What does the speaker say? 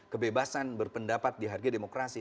kebebasan berpendapat dihargai demokrasi